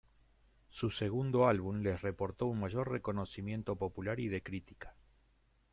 Su segundo álbum les reportó un mayor reconocimiento popular y de crítica.